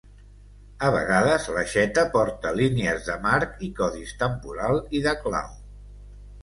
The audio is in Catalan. A vegades l'aixeta porta línies de marc i codis temporal i de clau.